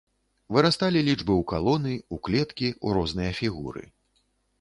Вырасталі лічбы ў калоны, у клеткі, у розныя фігуры.